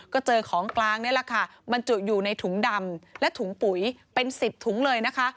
ก็เจอของกลางนี่แหละค่ะบรรจุอยู่ในถุงดำและถุงปุ๋ยเป็น๑๐ถุงเลยนะคะ